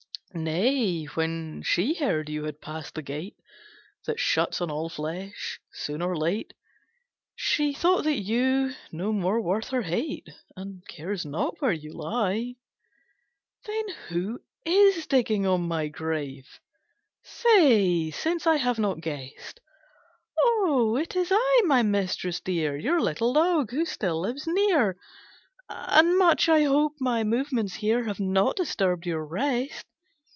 "Nay: when she heard you had passed the Gate That shuts on all flesh soon or late, She thought you no more worth her hate, And cares not where you lie. "Then, who is digging on my grave? Say since I have not guessed!" "O it is I, my mistress dear, Your little dog , who still lives near, And much I hope my movements here Have not disturbed your rest?"